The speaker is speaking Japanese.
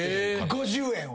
５０円を。